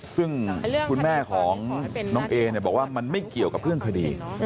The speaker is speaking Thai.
ซึ่งคุณแม่ของน้องเอเนี่ยบอกว่ามันไม่เกี่ยวกับเรื่องคดี